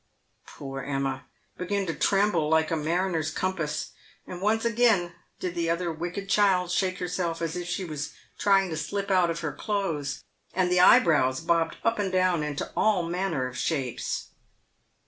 Poor Emma began to tremble like a mariner's compass, and once again did the other wicked child shake herself as if she was trying to slip out of her clothes, and the eyebrows bobbed up and down into all manner of shapes.